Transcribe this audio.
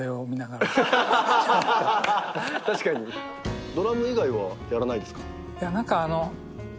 確かに。ドラム以外はやらないですか？